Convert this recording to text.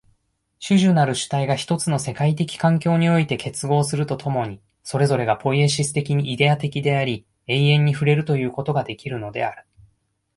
種々なる主体が一つの世界的環境において結合すると共に、それぞれがポイエシス的にイデヤ的であり、永遠に触れるということができるのである。